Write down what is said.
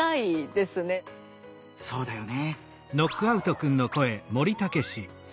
そうだよね。